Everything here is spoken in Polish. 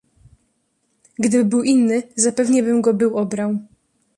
"Gdyby był inny zapewnie bym go był obrał."